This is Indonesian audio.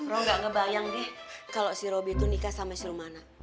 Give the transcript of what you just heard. ro nggak ngebayang deh kalau si robi itu nikah sama si romana